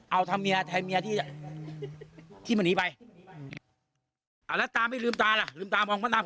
เอาแถวเมียที่มาหนีไปเอาแล้วตาไม่ลืมตาละเป็นไหน